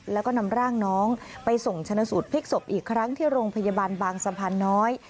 แล้วก็นำร่างน้องไปส่งชนะสูตรพลิกศพอีกครั้งที่โรงพยาบาลบางสะพานน้อย